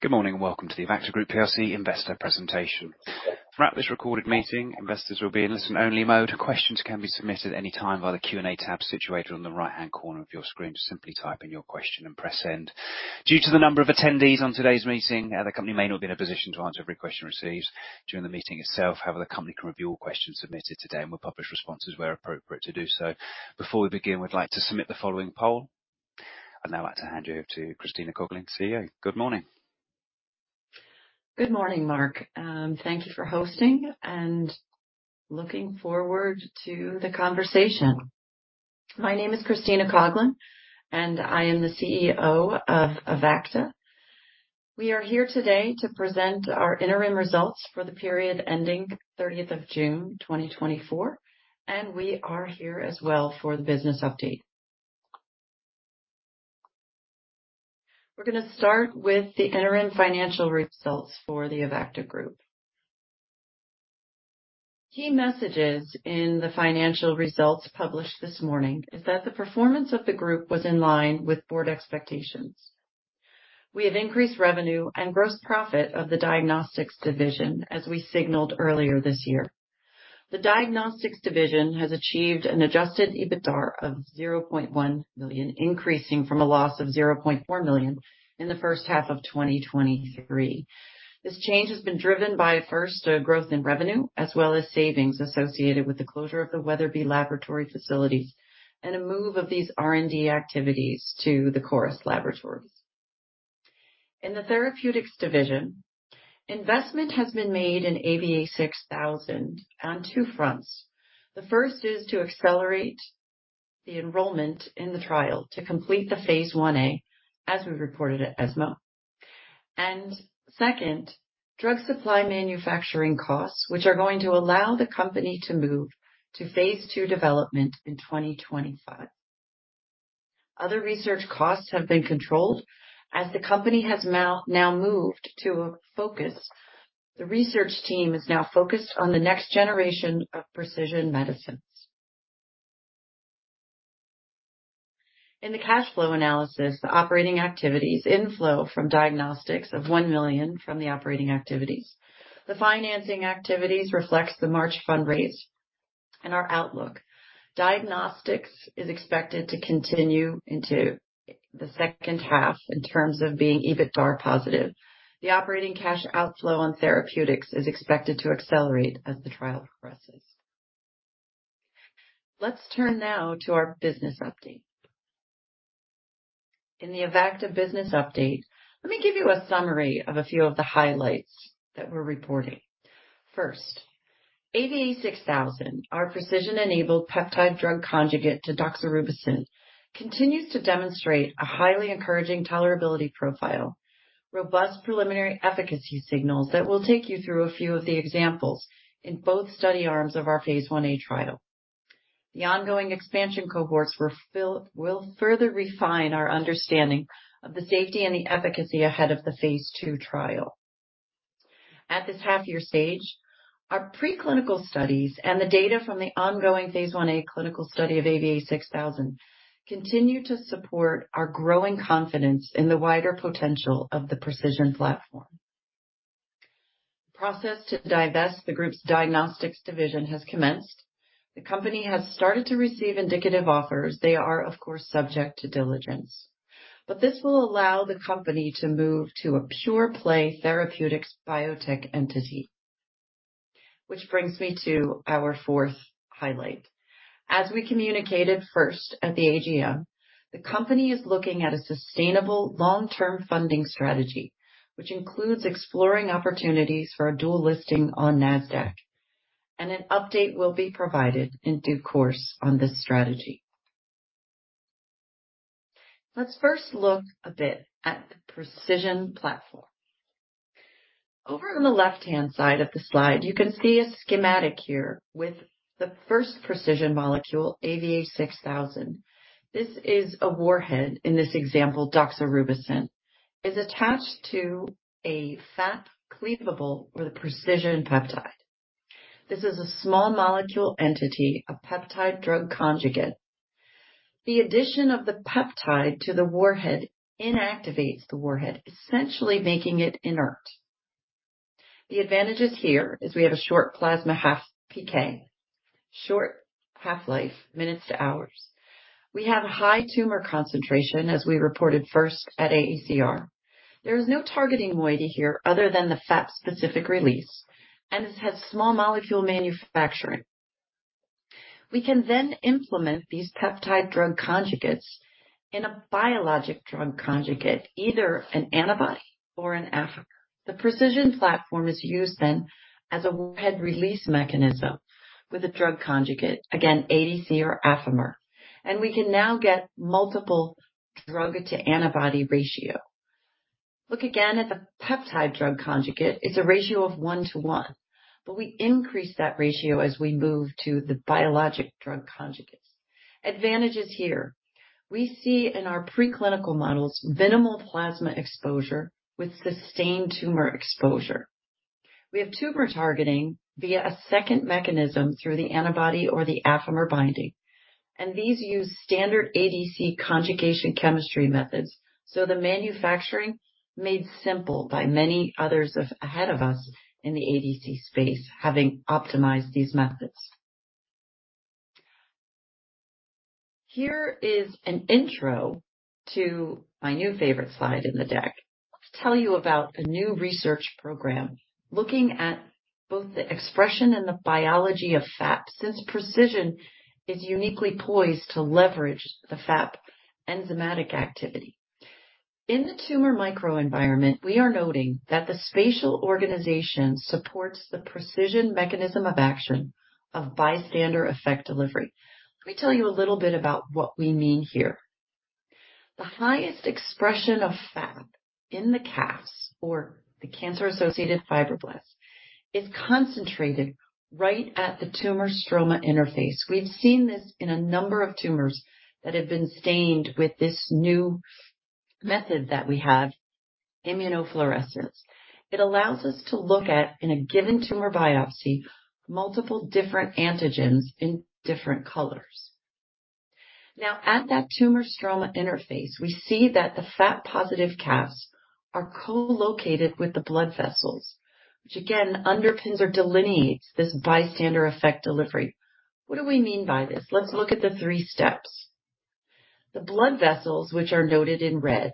Good morning, and welcome to the Avacta Group PLC investor presentation. Throughout this recorded meeting, investors will be in listen-only mode. Questions can be submitted anytime via the Q&A tab situated on the right-hand corner of your screen. Just simply type in your question and press Send. Due to the number of attendees on today's meeting, the company may not be in a position to answer every question received during the meeting itself. However, the company can review all questions submitted today and will publish responses where appropriate to do so. Before we begin, we'd like to submit the following poll. I'd now like to hand you over to Christina Coughlin, CEO. Good morning. Good morning, Mark, thank you for hosting and looking forward to the conversation. My name is Christina Coughlin, and I am the CEO of Avacta. We are here today to present our interim results for the period ending 30th of June 2024, and we are here as well for the business update. We're gonna start with the interim financial results for the Avacta Group. Key messages in the financial results published this morning is that the performance of the group was in line with board expectations. We have increased revenue and gross profit of the diagnostics division, as we signaled earlier this year. The diagnostics division has achieved an adjusted EBITDA of 0.1 million, increasing from a loss of 0.4 million in the first half of 2023. This change has been driven by, first, a growth in revenue, as well as savings associated with the closure of the Wetherby laboratory facilities, and a move of these R&D activities to the Corus Laboratories. In the therapeutics division, investment has been made in AVA-6000 on two fronts. The first is to accelerate the enrollment in the trial to complete the phase IA, as we reported at ESMO. Second, drug supply manufacturing costs, which are going to allow the company to move to phase II development in 2025. Other research costs have been controlled as the company has now moved to a focus. The research team is now focused on the next generation of preCISION medicines. In the cash flow analysis, the operating activities inflow from diagnostics of 1 million. The financing activities reflects the March fundraise and our outlook. Diagnostics is expected to continue into the second half in terms of being EBITDA positive. The operating cash outflow on therapeutics is expected to accelerate as the trial progresses. Let's turn now to our business update. In the Avacta business update, let me give you a summary of a few of the highlights that we're reporting. First, AVA-6000, our preCISION-enabled peptide drug conjugate to doxorubicin, continues to demonstrate a highly encouraging tolerability profile, robust preliminary efficacy signals that will take you through a few of the examples in both study arms of our phase IA trial. The ongoing expansion cohorts will further refine our understanding of the safety and the efficacy ahead of the phase II trial. At this half-year stage, our preclinical studies and the data from the ongoing phase IA clinical study of AVA-6000 continue to support our growing confidence in the wider potential of the preCISION platform. The process to divest the group's diagnostics division has commenced. The company has started to receive indicative offers. They are, of course, subject to diligence, but this will allow the company to move to a pure play therapeutics biotech entity. Which brings me to our fourth highlight. As we communicated first at the AGM, the company is looking at a sustainable long-term funding strategy, which includes exploring opportunities for a dual listing on Nasdaq, and an update will be provided in due course on this strategy. Let's first look a bit at the preCISION platform. Over on the left-hand side of the slide, you can see a schematic here with the first preCISION molecule, AVA-6000. This is a warhead. In this example, doxorubicin is attached to a FAP cleavable peptide, the preCISION peptide. This is a small molecule entity, a peptide drug conjugate. The addition of the peptide to the warhead inactivates the warhead, essentially making it inert. The advantages here is we have a short plasma half PK, short half-life, minutes to hours. We have high tumor concentration, as we reported first at AACR. There is no targeting moiety here other than the FAP-specific release, and this has small molecule manufacturing. We can then implement these peptide drug conjugates in a biologic drug conjugate, either an antibody or an Affimer. The preCISION platform is used then as a warhead release mechanism with a drug conjugate, again, ADC or Affimer, and we can now get multiple drug to antibody ratio. Look again at the peptide drug conjugate. It's a ratio of one to one, but we increase that ratio as we move to the biologic drug conjugates. Advantages here: We see in our preclinical models minimal plasma exposure with sustained tumor exposure. We have tumor targeting via a second mechanism through the antibody or the Affimer binding, and these use standard ADC conjugation chemistry methods, so the manufacturing made simple by many others of, ahead of us in the ADC space, having optimized these methods. Here is an intro to my new favorite slide in the deck. Let's tell you about a new research program looking at both the expression and the biology of FAP, since preCISION is uniquely poised to leverage the FAP enzymatic activity. In the tumor microenvironment, we are noting that the spatial organization supports the preCISION mechanism of action of bystander effect delivery. Let me tell you a little bit about what we mean here. The highest expression of FAP in the CAFs, or the cancer-associated fibroblasts, is concentrated right at the tumor stroma interface. We've seen this in a number of tumors that have been stained with this new method that we have, immunofluorescence. It allows us to look at, in a given tumor biopsy, multiple different antigens in different colors. Now, at that tumor stroma interface, we see that the FAP-positive CAFs are co-located with the blood vessels, which again underpins or delineates this bystander effect delivery. What do we mean by this? Let's look at the three steps. The blood vessels, which are noted in red,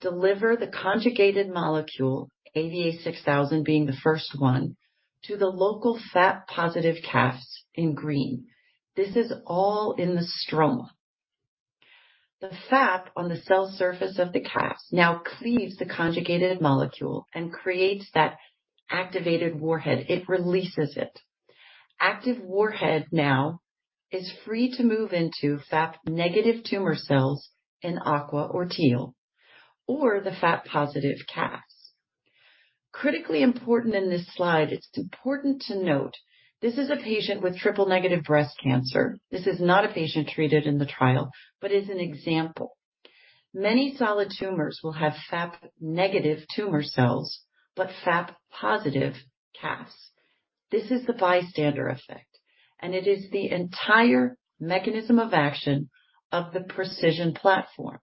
deliver the conjugated molecule, AVA-6000 being the first one, to the local FAP-positive CAFs in green. This is all in the stroma. The FAP on the cell surface of the CAFs now cleaves the conjugated molecule and creates that activated warhead. It releases it. Active warhead now is free to move into FAP-negative tumor cells in aqua or teal, or the FAP-positive CAFs. Critically important in this slide, it's important to note, this is a patient with triple-negative breast cancer. This is not a patient treated in the trial, but is an example. Many solid tumors will have FAP-negative tumor cells, but FAP-positive CAFs. This is the bystander effect, and it is the entire mechanism of action of the preCISION platform.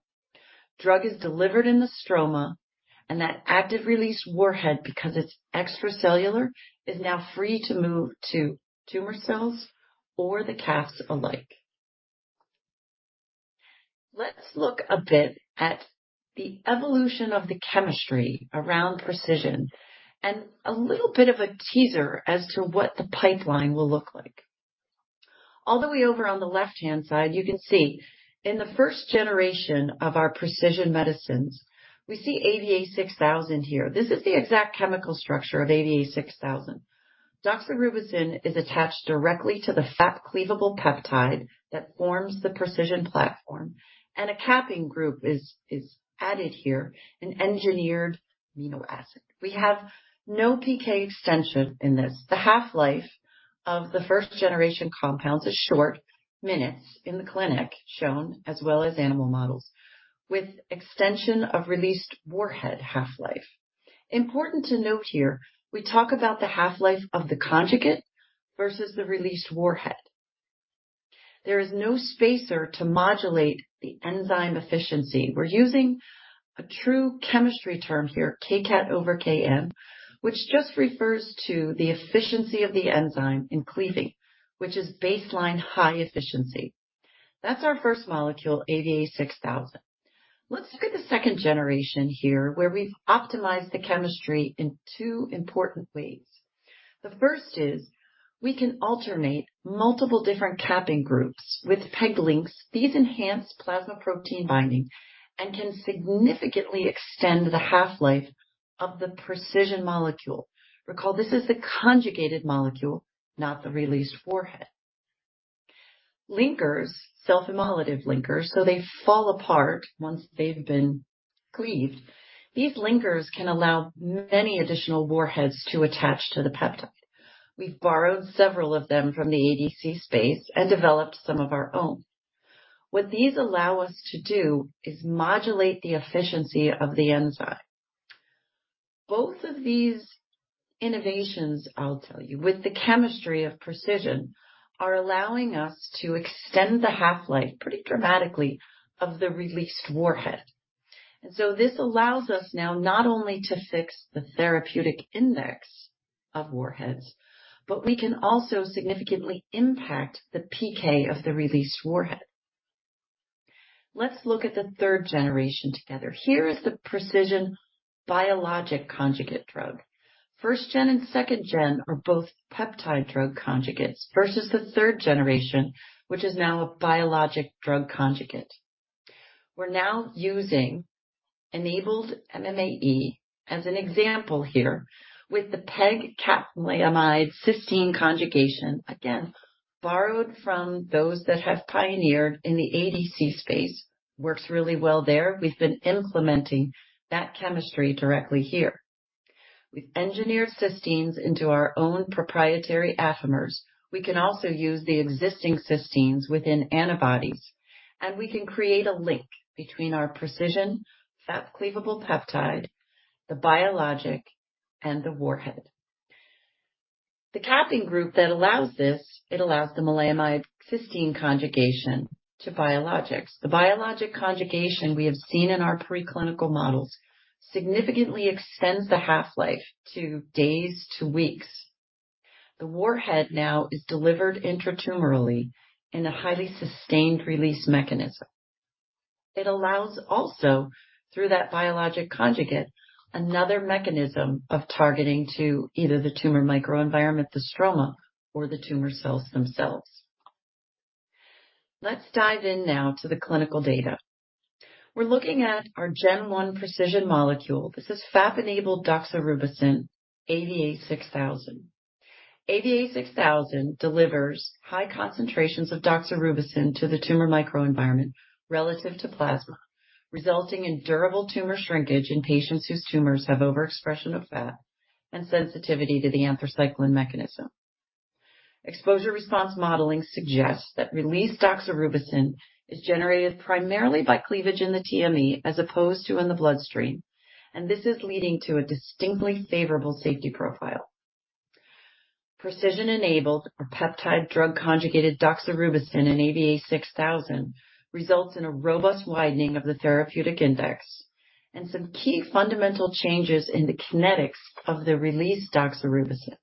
Drug is delivered in the stroma, and that active release warhead, because it's extracellular, is now free to move to tumor cells or the CAFs alike. Let's look a bit at the evolution of the chemistry around preCISION and a little bit of a teaser as to what the pipeline will look like. All the way over on the left-hand side, you can see in the first generation of our preCISION medicines, we see AVA-6000 here. This is the exact chemical structure of AVA-6000. Doxorubicin is attached directly to the FAP cleavable peptide that forms the preCISION platform, and a capping group is added here, an engineered amino acid. We have no PK extension in this. The half-life of the first generation compound is short, minutes in the clinic, shown as well as animal models, with extension of released warhead half-life. Important to note here, we talk about the half-life of the conjugate versus the released warhead. There is no spacer to modulate the enzyme efficiency. We're using a true chemistry term here, Kcat/Km, which just refers to the efficiency of the enzyme in cleaving, which is baseline high efficiency. That's our first molecule, AVA-6000. Let's look at the second generation here, where we've optimized the chemistry in two important ways. The first is, we can alternate multiple different capping groups with PEG links. These enhance plasma protein binding and can significantly extend the half-life of the preCISION molecule. Recall, this is the conjugated molecule, not the released warhead. Linkers, self-immolative linkers, so they fall apart once they've been cleaved. These linkers can allow many additional warheads to attach to the peptide. We've borrowed several of them from the ADC space and developed some of our own. What these allow us to do is modulate the efficiency of the enzyme. Both of these innovations, I'll tell you, with the chemistry of preCISION, are allowing us to extend the half-life, pretty dramatically, of the released warhead. And so this allows us now not only to fix the therapeutic index of warheads, but we can also significantly impact the PK of the released warhead. Let's look at the third generation together. Here is the preCISION biologic conjugate drug. First gen and second gen are both peptide drug conjugates versus the third generation, which is now a biologic drug conjugate. We're now using enabled MMAE as an example here with the PEG maleimide cysteine conjugation, again, borrowed from those that have pioneered in the ADC space. Works really well there. We've been implementing that chemistry directly here. We've engineered cysteines into our own proprietary Affimers. We can also use the existing cysteines within antibodies, and we can create a link between our preCISION, FAP cleavable peptide, the biologic, and the warhead. The capping group that allows this, it allows the maleimide cysteine conjugation to biologics. The biologic conjugation we have seen in our preclinical models significantly extends the half-life to days to weeks. The warhead now is delivered intratumorally in a highly sustained-release mechanism. It allows also, through that biologic conjugate, another mechanism of targeting to either the tumor microenvironment, the stroma, or the tumor cells themselves. Let's dive in now to the clinical data. We're looking at our Gen one preCISION molecule. This is FAP-enabled doxorubicin, AVA-6000. AVA-6000 delivers high concentrations of doxorubicin to the tumor microenvironment relative to plasma, resulting in durable tumor shrinkage in patients whose tumors have overexpression of FAP and sensitivity to the anthracycline mechanism. Exposure-response modeling suggests that released doxorubicin is generated primarily by cleavage in the TME as opposed to in the bloodstream, and this is leading to a distinctly favorable safety profile. preCISION-enabled peptide drug conjugate doxorubicin in AVA-6000 results in a robust widening of the therapeutic index and some key fundamental changes in the kinetics of the released doxorubicin.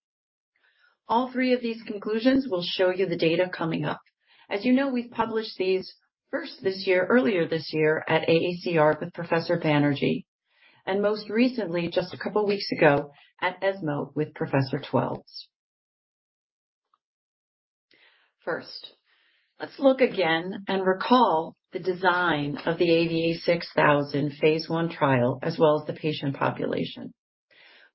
All three of these conclusions will show you the data coming up. As you know, we've published these first this year, earlier this year at AACR with Professor Banerjee, and most recently, just a couple of weeks ago at ESMO with Professor Twelves. First, let's look again and recall the design of the AVA-6000 phase I trial, as well as the patient population.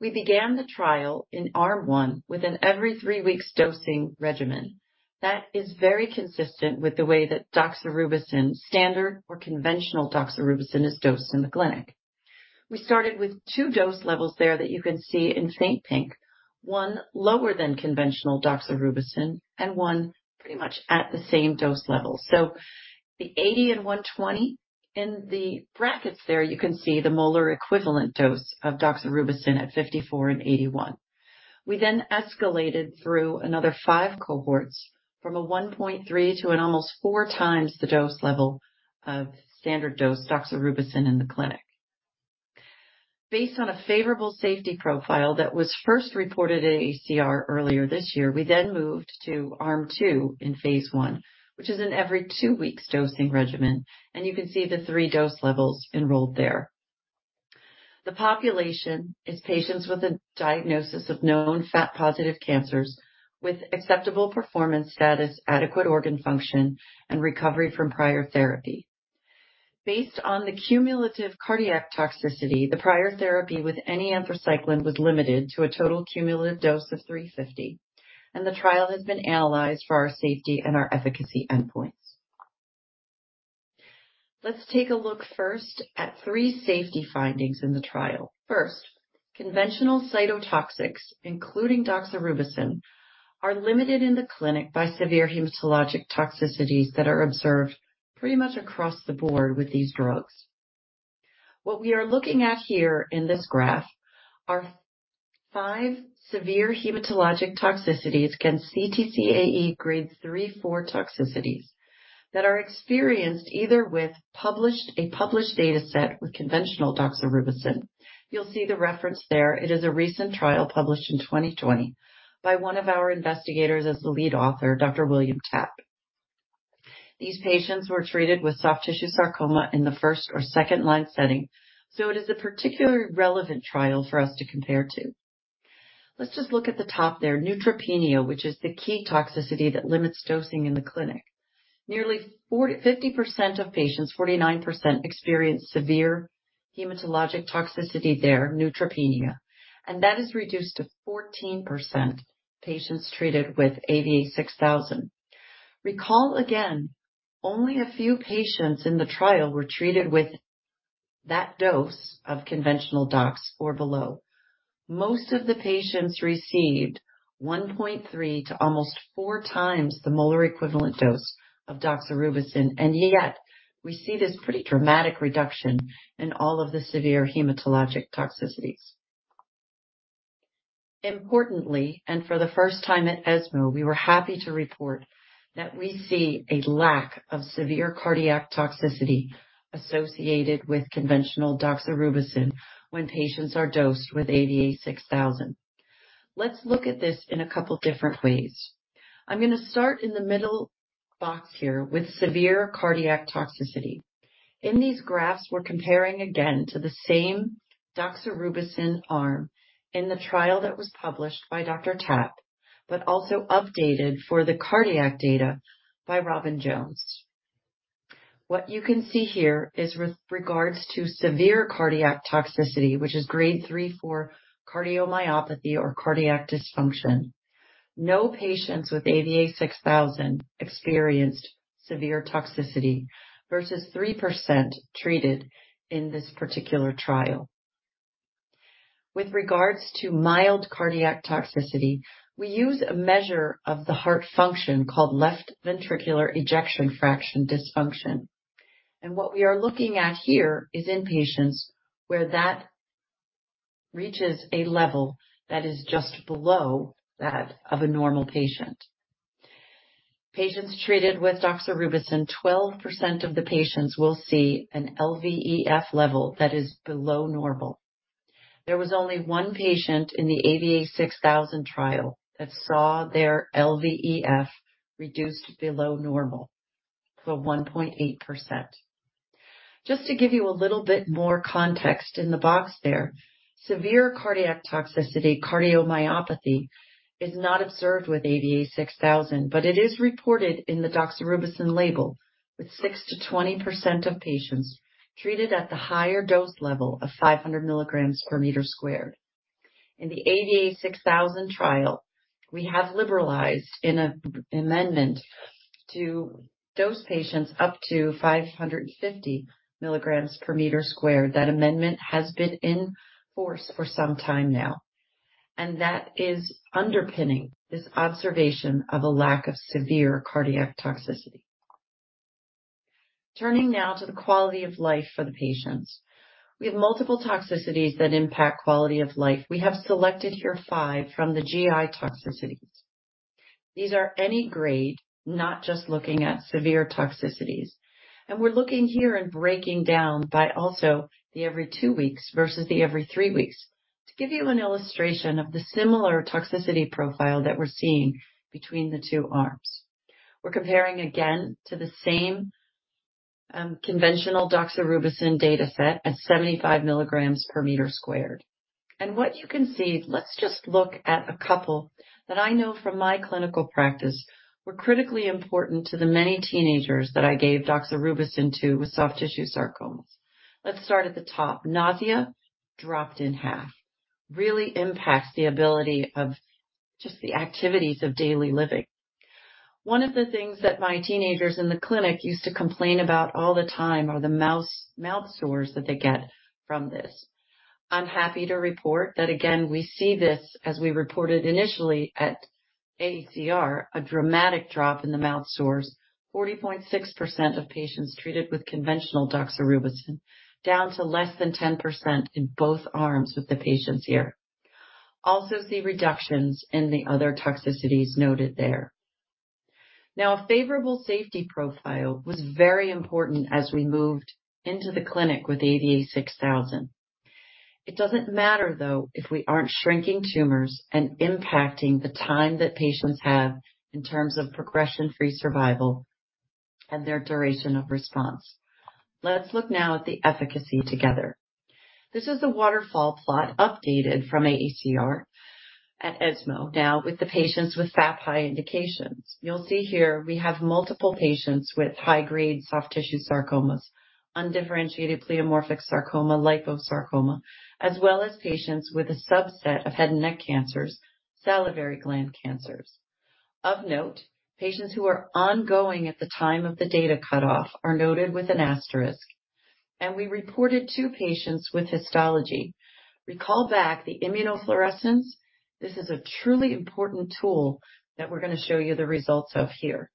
We began the trial in Arm one within every three weeks dosing regimen. That is very consistent with the way that doxorubicin, standard or conventional doxorubicin, is dosed in the clinic. We started with two dose levels there that you can see in faint pink, one lower than conventional doxorubicin and one pretty much at the same dose level. So the 80 and 120. In the brackets there, you can see the molar equivalent dose of doxorubicin at 54 and 81. We then escalated through another five cohorts, from 1.3 to an almost four times the dose level of standard-dose doxorubicin in the clinic. Based on a favorable safety profile that was first reported at AACR earlier this year, we then moved to arm two in phase I, which is in every two weeks dosing regimen, and you can see the three dose levels enrolled there. The population is patients with a diagnosis of known FAP-positive cancers with acceptable performance status, adequate organ function, and recovery from prior therapy. Based on the cumulative cardiac toxicity, the prior therapy with any anthracycline was limited to a total cumulative dose of three fifty, and the trial has been analyzed for our safety and our efficacy endpoints. Let's take a look first at three safety findings in the trial. First, conventional cytotoxics, including doxorubicin, are limited in the clinic by severe hematologic toxicities that are observed pretty much across the board with these drugs. What we are looking at here in this graph are five severe hematologic toxicities against CTCAE Grade 3/4 toxicities that are experienced either with a published dataset with conventional doxorubicin. You'll see the reference there. It is a recent trial published in twenty twenty by one of our investigators as the lead author, Dr. William Tap. These patients were treated with soft tissue sarcoma in the first or second-line setting, so it is a particularly relevant trial for us to compare to. Let's just look at the top there, neutropenia, which is the key toxicity that limits dosing in the clinic. Nearly 40-50% of patients, 49%, experienced severe hematologic toxicity there, neutropenia, and that is reduced to 14% patients treated with AVA-6000. Recall again, only a few patients in the trial were treated with that dose of conventional dox or below. Most of the patients received 1.3 to almost 4 times the molar equivalent dose of doxorubicin, and yet we see this pretty dramatic reduction in all of the severe hematologic toxicities. Importantly, and for the first time at ESMO, we were happy to report that we see a lack of severe cardiac toxicity associated with conventional doxorubicin when patients are dosed with AVA-6000. Let's look at this in a couple different ways. I'm gonna start in the middle box here with severe cardiac toxicity. In these graphs, we're comparing again to the same doxorubicin arm in the trial that was published by Dr. Tap, but also updated for the cardiac data by Robin Jones. What you can see here is with regards to severe cardiac toxicity, which is grade 3/4 cardiomyopathy or cardiac dysfunction. No patients with AVA-6000 experienced severe toxicity versus 3% treated in this particular trial. With regards to mild cardiac toxicity, we use a measure of the heart function called left ventricular ejection fraction dysfunction. What we are looking at here is in patients where that reaches a level that is just below that of a normal patient. Patients treated with doxorubicin, 12% of the patients will see an LVEF level that is below normal. There was only one patient in the AVA-6000 trial that saw their LVEF reduced below normal, so 1.8%. Just to give you a little bit more context in the box there, severe cardiac toxicity cardiomyopathy is not observed with AVA-6000, but it is reported in the doxorubicin label, with 6%-20% of patients treated at the higher dose level of 500 milligrams per meter squared. In the AVA-6000 trial, we have liberalized in an amendment to dose patients up to 550 milligrams per meter squared. That amendment has been in force for some time now, and that is underpinning this observation of a lack of severe cardiac toxicity. Turning now to the quality of life for the patients. We have multiple toxicities that impact quality of life. We have selected here five from the GI toxicities. These are any grade, not just looking at severe toxicities, and we're looking here and breaking down by also the every two weeks versus the every three weeks, to give you an illustration of the similar toxicity profile that we're seeing between the two arms. We're comparing again to the same, conventional doxorubicin data set at 75 milligrams per meter squared, and what you can see, let's just look at a couple that I know from my clinical practice were critically important to the many teenagers that I gave doxorubicin to with soft tissue sarcomas. Let's start at the top. Nausea dropped in half. Really impacts the ability of just the activities of daily living. One of the things that my patients in the clinic used to complain about all the time are the mouth sores that they get from this. I'm happy to report that again, we see this, as we reported initially at AACR, a dramatic drop in the mouth sores, 40.6% of patients treated with conventional doxorubicin, down to less than 10% in both arms with the patients here. Also, see reductions in the other toxicities noted there. Now, a favorable safety profile was very important as we moved into the clinic with AVA-6000. It doesn't matter, though, if we aren't shrinking tumors and impacting the time that patients have in terms of progression-free survival and their duration of response. Let's look now at the efficacy together. This is a waterfall plot updated from AACR at ESMO. Now, with the patients with FAP high indications. You'll see here we have multiple patients with high-grade soft tissue sarcomas, undifferentiated pleomorphic sarcoma, liposarcoma, as well as patients with a subset of head and neck cancers, salivary gland cancers. Of note, patients who are ongoing at the time of the data cutoff are noted with an asterisk, and we reported two patients with histology. Recall back the immunofluorescence. This is a truly important tool that we're gonna show you the results of here.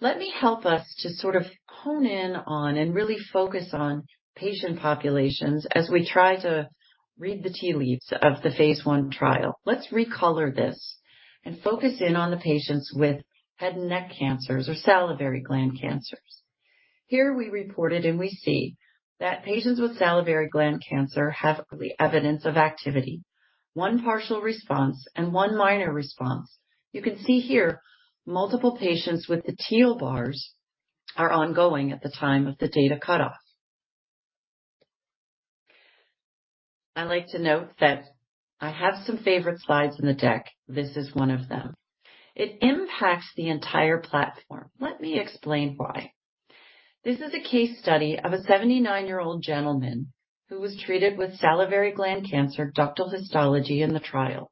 Let me help us to sort of hone in on and really focus on patient populations as we try to read the tea leaves of the phase I trial. Let's recolor this and focus in on the patients with head and neck cancers or salivary gland cancers. Here we reported and we see that patients with salivary gland cancer have the evidence of activity, one partial response and one minor response. You can see here multiple patients with the teal bars are ongoing at the time of the data cutoff. I like to note that I have some favorite slides in the deck. This is one of them. It impacts the entire platform. Let me explain why. This is a case study of a 79-year-old gentleman who was treated with salivary gland cancer, ductal histology in the trial.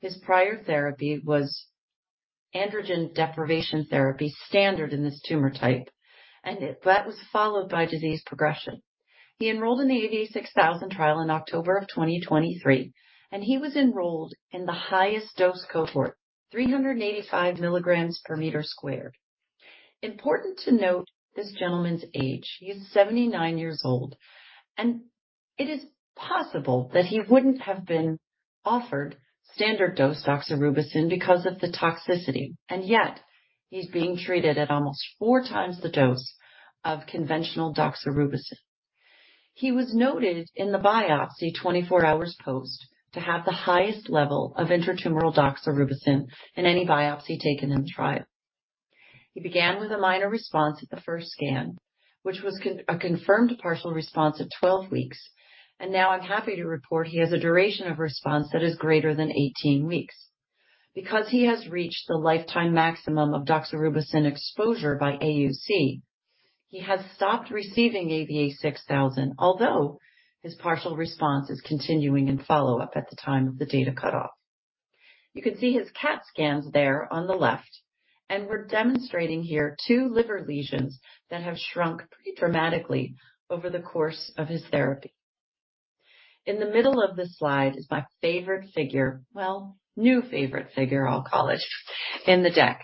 His prior therapy was androgen deprivation therapy, standard in this tumor type, and that was followed by disease progression. He enrolled in the AVA-6000 trial in October 2023, and he was enrolled in the highest dose cohort, 385 milligrams per meter squared. Important to note this gentleman's age: he's 79 years old, and it is possible that he wouldn't have been offered standard dose doxorubicin because of the toxicity, and yet he's being treated at almost four times the dose of conventional doxorubicin. He was noted in the biopsy, 24 hours post, to have the highest level of intratumoral doxorubicin in any biopsy taken in the trial. He began with a minor response at the first scan, which was a confirmed partial response at 12 weeks, and now I'm happy to report he has a duration of response that is greater than 18 weeks. Because he has reached the lifetime maximum of doxorubicin exposure by AUC, he has stopped receiving AVA-6000, although his partial response is continuing in follow-up at the time of the data cutoff. You can see his CAT scans there on the left, and we're demonstrating here two liver lesions that have shrunk pretty dramatically over the course of his therapy. In the middle of the slide is my favorite figure, well, new favorite figure, I'll call it, in the deck.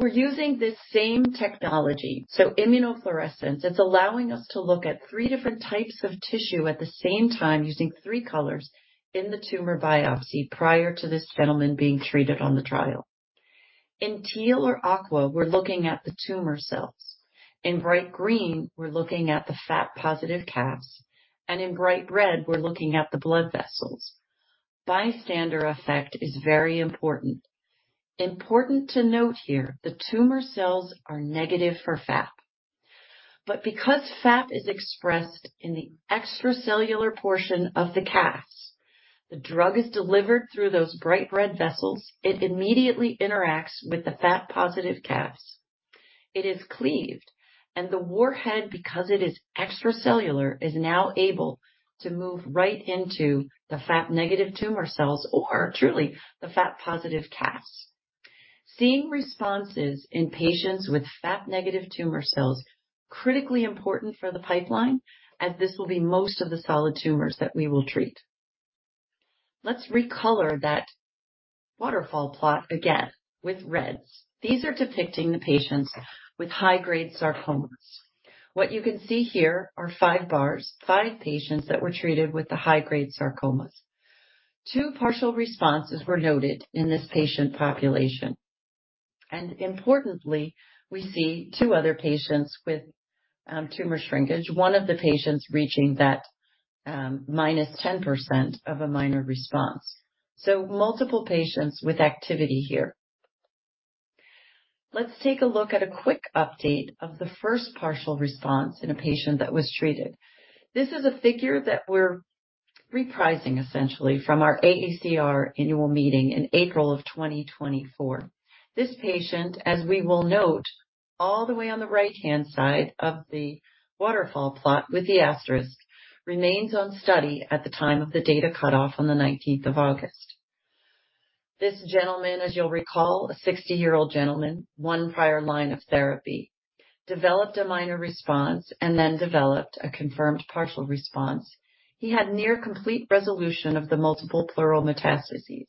We're using this same technology, so immunofluorescence, it's allowing us to look at three different types of tissue at the same time, using three colors in the tumor biopsy prior to this gentleman being treated on the trial. In teal or aqua, we're looking at the tumor cells. In bright green, we're looking at the FAP-positive CAFs, and in bright red, we're looking at the blood vessels. Bystander effect is very important. Important to note here, the tumor cells are negative for FAP, but because FAP is expressed in the extracellular portion of the CAF, the drug is delivered through those bright red vessels. It immediately interacts with the FAP-positive CAFs. It is cleaved, and the warhead, because it is extracellular, is now able to move right into the FAP-negative tumor cells, or truly the FAP-positive CAFs. Seeing responses in patients with FAP-negative tumor cells, critically important for the pipeline, as this will be most of the solid tumors that we will treat. Let's recolor that waterfall plot again with reds. These are depicting the patients with high-grade sarcomas. What you can see here are five bars, five patients that were treated with the high-grade sarcomas. Two partial responses were noted in this patient population, and importantly, we see two other patients with tumor shrinkage, one of the patients reaching that, minus 10% of a minor response. So multiple patients with activity here. Let's take a look at a quick update of the first partial response in a patient that was treated. This is a figure that we're reprising, essentially, from our AACR annual meeting in April of 2024. This patient, as we will note, all the way on the right-hand side of the waterfall plot with the asterisk, remains on study at the time of the data cutoff on the nineteenth of August. This gentleman, as you'll recall, a 60-year-old gentleman, one prior line of therapy, developed a minor response and then developed a confirmed partial response. He had near complete resolution of the multiple pleural metastases.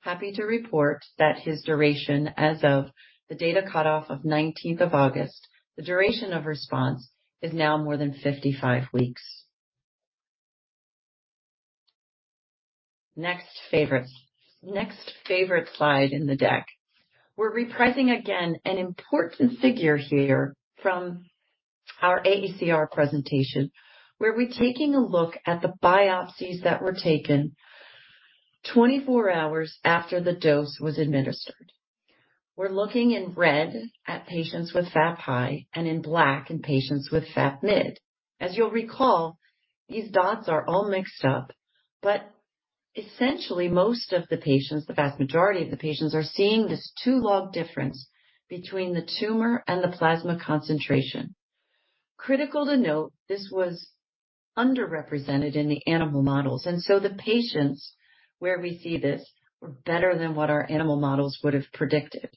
Happy to report that his duration as of the data cutoff of 19th of August, the duration of response is now more than 55 weeks. Next favorite. Next favorite slide in the deck. We're reprising again, an important figure here from our AACR presentation, where we're taking a look at the biopsies that were taken 24 hours after the dose was administered. We're looking in red at patients with FAP high and in black in patients with FAP mid. As you'll recall, these dots are all mixed up, but essentially most of the patients, the vast majority of the patients, are seeing this two-log difference between the tumor and the plasma concentration. Critical to note, this was underrepresented in the animal models, and so the patients where we see this were better than what our animal models would have predicted.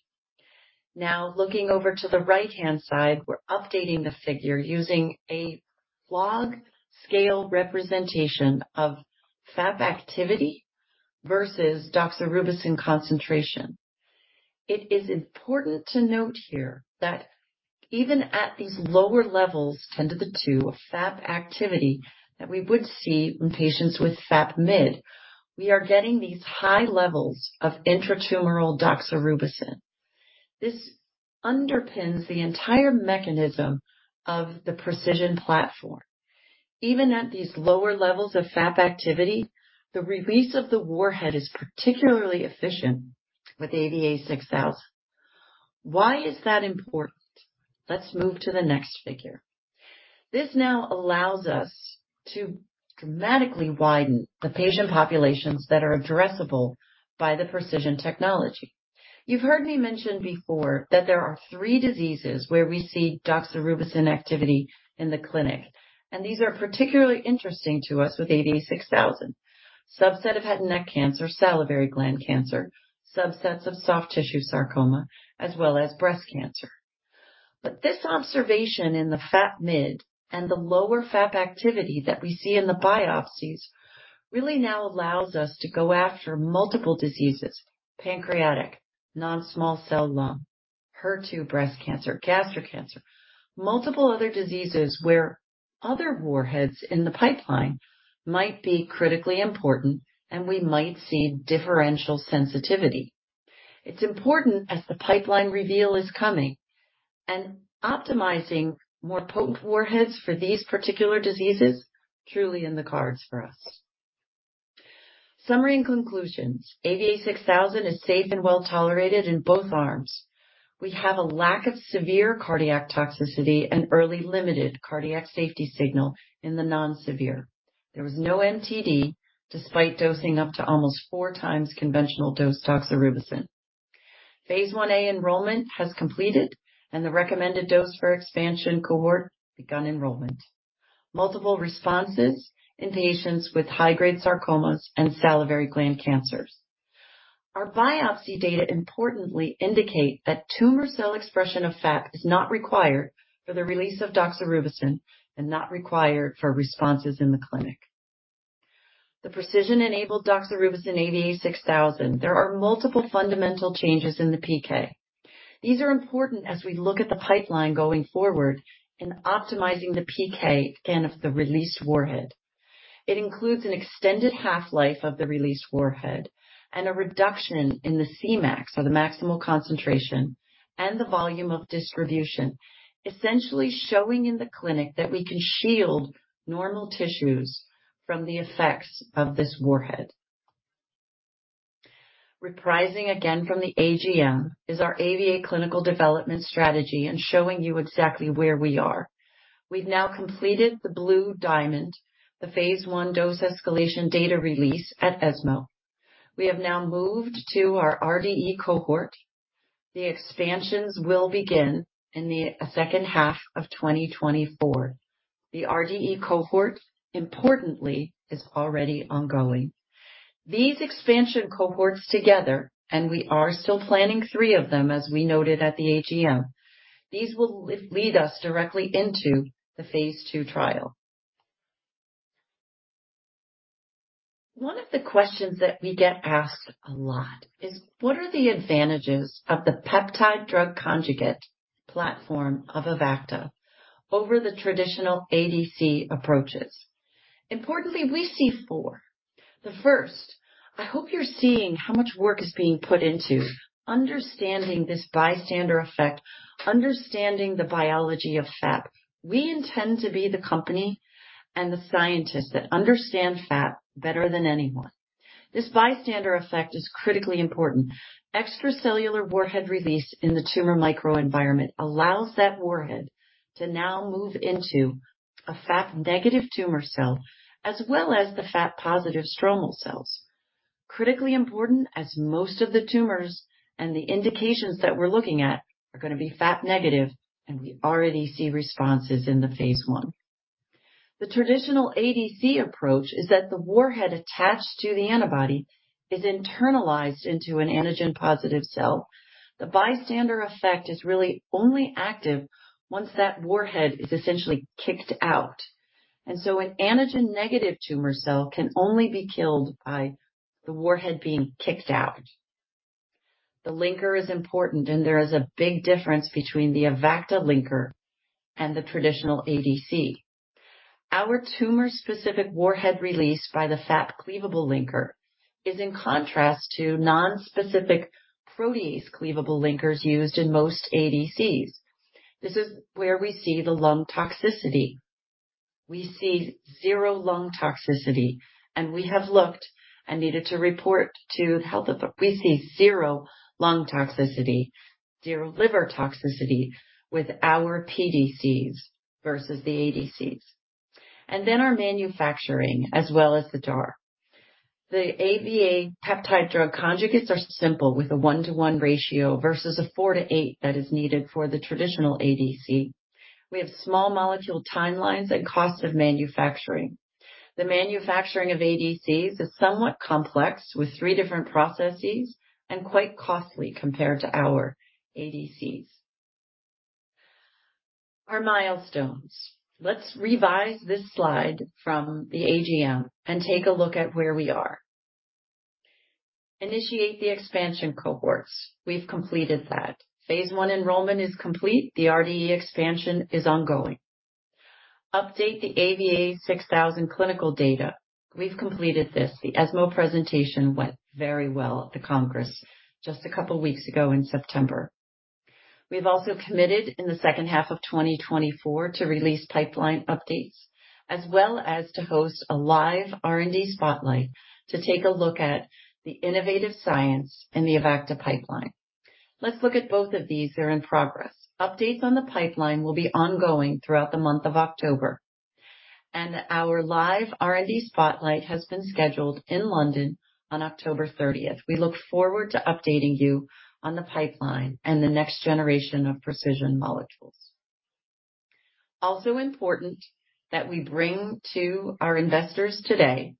Now, looking over to the right-hand side, we're updating the figure using a log scale representation of FAP activity versus doxorubicin concentration. It is important to note here that even at these lower levels, ten to the two, of FAP activity that we would see in patients with FAP mid, we are getting these high levels of intratumoral doxorubicin. This underpins the entire mechanism of the preCISION platform. Even at these lower levels of FAP activity, the release of the warhead is particularly efficient with AVA-6000. Why is that important? Let's move to the next figure. This now allows us to dramatically widen the patient populations that are addressable by the preCISION technology. You've heard me mention before that there are three diseases where we see doxorubicin activity in the clinic, and these are particularly interesting to us with AVA-6000. Subset of head and neck cancer, salivary gland cancer, subsets of soft tissue sarcoma, as well as breast cancer. But this observation in the FAP mid and the lower FAP activity that we see in the biopsies really now allows us to go after multiple diseases: pancreatic, non-small cell lung, HER2 breast cancer, gastric cancer, multiple other diseases where other warheads in the pipeline might be critically important, and we might see differential sensitivity. It's important as the pipeline reveal is coming, and optimizing more potent warheads for these particular diseases truly in the cards for us. Summary and conclusions. AVA-6000 is safe and well-tolerated in both arms. We have a lack of severe cardiac toxicity and early limited cardiac safety signal in the non-severe. There was no MTD, despite dosing up to almost four times conventional dose doxorubicin. Phase IA enrollment has completed, and the recommended dose for expansion cohort begun enrollment. Multiple responses in patients with high-grade sarcomas and salivary gland cancers. Our biopsy data importantly indicate that tumor cell expression of FAP is not required for the release of doxorubicin and not required for responses in the clinic. The preCISION-enabled doxorubicin AVA-6000. There are multiple fundamental changes in the PK. These are important as we look at the pipeline going forward in optimizing the PK and of the release warhead. It includes an extended half-life of the release warhead and a reduction in the Cmax, or the maximal concentration, and the volume of distribution, essentially showing in the clinic that we can shield normal tissues from the effects of this warhead. Reprising again from the AGM is our AVA clinical development strategy and showing you exactly where we are. We've now completed the blue diamond, the phase I dose escalation data release at ESMO. We have now moved to our RDE cohort. The expansions will begin in the second half of 2024. The RDE cohort, importantly, is already ongoing. These expansion cohorts together, and we are still planning three of them, as we noted at the AGM. These will lead us directly into the phase II trial. One of the questions that we get asked a lot is: What are the advantages of the peptide drug conjugate platform of Avacta over the traditional ADC approaches? Importantly, we see four. The first, I hope you're seeing how much work is being put into understanding this bystander effect, understanding the biology of FAP. We intend to be the company and the scientists that understand FAP better than anyone. This bystander effect is critically important. Extracellular warhead release in the tumor microenvironment allows that warhead to now move into a FAP-negative tumor cell, as well as the FAP-positive stromal cells. Critically important, as most of the tumors and the indications that we're looking at are going to be FAP negative, and we already see responses in the phase I. The traditional ADC approach is that the warhead attached to the antibody is internalized into an antigen-positive cell. The bystander effect is really only active once that warhead is essentially kicked out, and so an antigen-negative tumor cell can only be killed by the warhead being kicked out. The linker is important, and there is a big difference between the Avacta linker and the traditional ADC. Our tumor-specific warhead release by the FAP cleavable linker is in contrast to nonspecific protease cleavable linkers used in most ADCs. This is where we see the lung toxicity. We see zero lung toxicity, zero liver toxicity with our PDCs versus the ADCs. And then our manufacturing, as well as the DAR. The AVA peptide drug conjugates are simple, with a one-to-one ratio versus a four to eight that is needed for the traditional ADC. We have small molecule timelines and costs of manufacturing. The manufacturing of ADCs is somewhat complex, with three different processes, and quite costly compared to our ADCs. Our milestones. Let's revise this slide from the AGM and take a look at where we are. Initiate the expansion cohorts. We've completed that. Phase I enrollment is complete. The RDE expansion is ongoing. Update the AVA-6000 clinical data. We've completed this. The ESMO presentation went very well at the Congress just a couple weeks ago in September. We've also committed, in the second half of 2024, to release pipeline updates, as well as to host a live R&D spotlight to take a look at the innovative science in the Avacta pipeline. Let's look at both of these, they're in progress. Updates on the pipeline will be ongoing throughout the month of October, and our live R&D spotlight has been scheduled in London on October 30th. We look forward to updating you on the pipeline and the next generation of preCISION molecules. Also important that we bring to our investors today,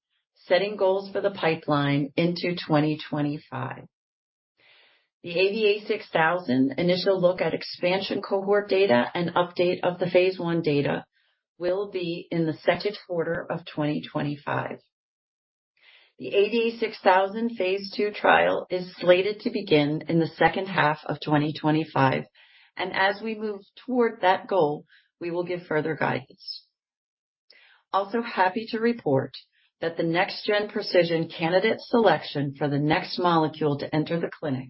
setting goals for the pipeline into twenty twenty-five. The AVA-6000 initial look at expansion cohort data and update of the phase I data will be in the second quarter of 2025. The AVA-6000 phase II trial is slated to begin in the second half of 2025, and as we move toward that goal, we will give further guidance. Also happy to report that the next gen preCISION candidate selection for the next molecule to enter the clinic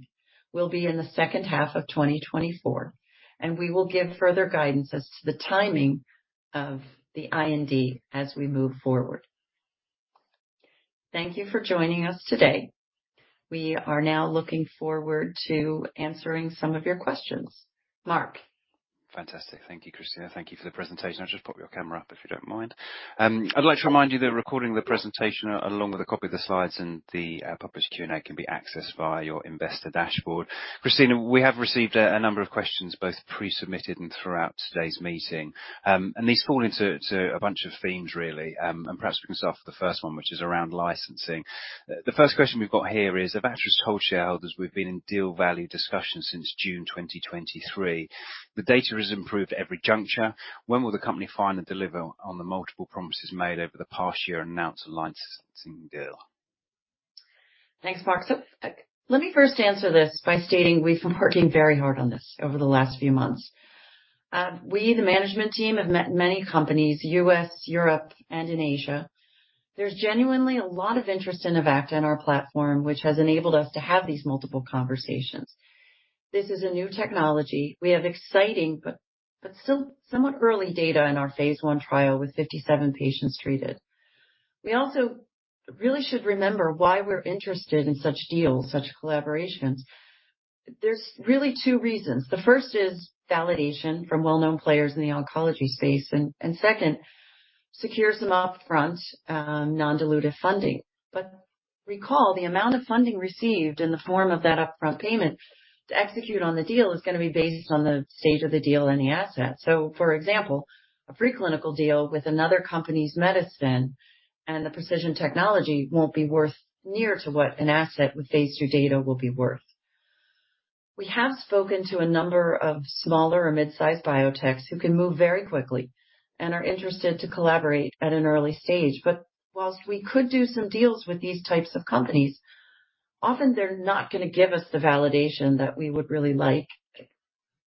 will be in the second half of 2024, and we will give further guidance as to the timing of the IND as we move forward. Thank you for joining us today. We are now looking forward to answering some of your questions. Mark? Fantastic. Thank you, Christina. Thank you for the presentation. I'll just pop your camera up, if you don't mind. I'd like to remind you that a recording of the presentation, along with a copy of the slides and the published Q&A, can be accessed via your investor dashboard. Christina, we have received a number of questions, both pre-submitted and throughout today's meeting, and these fall into a bunch of themes, really, and perhaps we can start off with the first one, which is around licensing. The first question we've got here is: Avacta's shareholders, we've been in deal value discussions since June 2023. The data has improved at every juncture. When will the company finally deliver on the multiple promises made over the past year and announce a licensing deal?... Thanks, Mark. So, let me first answer this by stating we've been working very hard on this over the last few months. We, the management team, have met many companies, U.S., Europe, and in Asia. There's genuinely a lot of interest in Avacta and our platform, which has enabled us to have these multiple conversations. This is a new technology. We have exciting, but still somewhat early data in our phase I trial with 57 patients treated. We also really should remember why we're interested in such deals, such collaborations. There's really two reasons. The first is validation from well-known players in the oncology space, and second, secures some upfront non-dilutive funding. But recall, the amount of funding received in the form of that upfront payment to execute on the deal is gonna be based on the stage of the deal and the asset. So for example, a pre-clinical deal with another company's medicine and the preCISION technology won't be worth near to what an asset with phase II data will be worth. We have spoken to a number of smaller or mid-sized biotechs who can move very quickly and are interested to collaborate at an early stage. But while we could do some deals with these types of companies, often they're not gonna give us the validation that we would really like.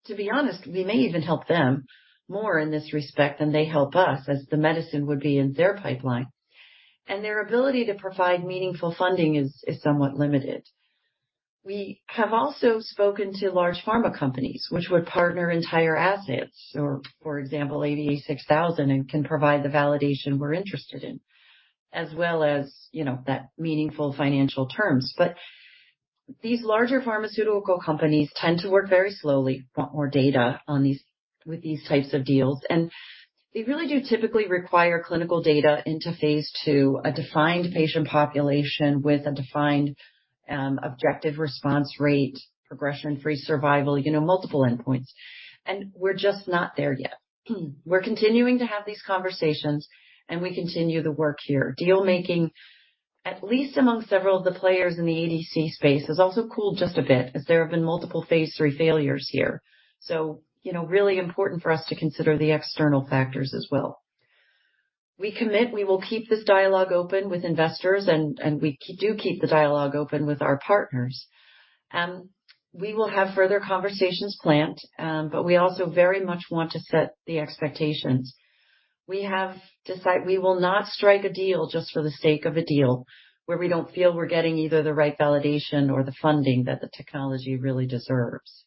To be honest, we may even help them more in this respect than they help us, as the medicine would be in their pipeline. And their ability to provide meaningful funding is somewhat limited. We have also spoken to large pharma companies, which would partner entire assets, or for example, AVA6000, and can provide the validation we're interested in, as well as, you know, that meaningful financial terms. But these larger pharmaceutical companies tend to work very slowly, want more data on these with these types of deals, and they really do typically require clinical data into phase II, a defined patient population with a defined, objective response rate, progression-free survival, you know, multiple endpoints. And we're just not there yet. We're continuing to have these conversations, and we continue the work here. Deal making, at least among several of the players in the ADC space, has also cooled just a bit as there have been multiple phase III failures here. So, you know, really important for us to consider the external factors as well. We commit, we will keep this dialogue open with investors, and we do keep the dialogue open with our partners. We will have further conversations planned, but we also very much want to set the expectations. We will not strike a deal just for the sake of a deal, where we don't feel we're getting either the right validation or the funding that the technology really deserves.